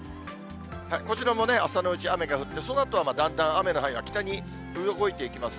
こちらも朝のうち雨が降って、そのあとはだんだん雨の範囲が北に動いています。